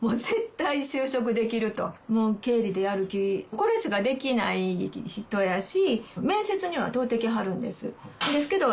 これしかできない人やし。